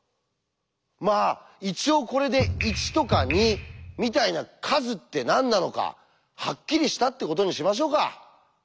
まあ一応これで「１」とか「２」みたいな「数」って何なのかハッキリしたってことにしましょうか。